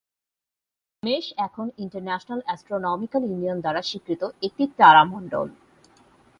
মেষ এখন international astronomical union দ্বারা স্বীকৃত একটি তারামণ্ডল।